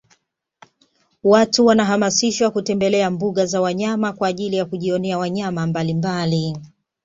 Watu wanahamasishwa kutembelea mbuga za wanyama kwaajili ya kujionea wanyama mbalimbali